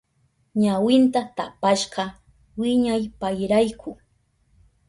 Ñawinta tapashka wiñaypayrayku.